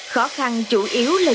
khó khăn chủ yếu là